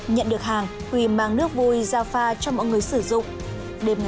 nhận được hàng huy mang nước vui ra pha cho mọi người sử dụng